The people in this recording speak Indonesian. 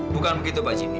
bukan begitu pak jimmy